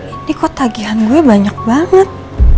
ini kok tagihan gue banyak banget